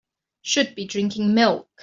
Should be drinking milk.